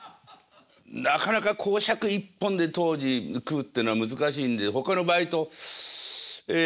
なかなか講釈一本で当時食うってのは難しいんでほかのバイトええ